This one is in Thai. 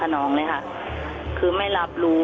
หัวน้องต้องนอนไอซียู